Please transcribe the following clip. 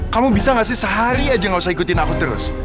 kamu bisa gak sih sehari aja gak usah ikutin aku terus